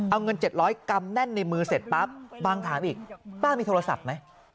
เอาเงิน๗๐๐กำแน่นในมือเสร็จปั๊บบางถามอีกป้ามีโทรศัพท์ไหม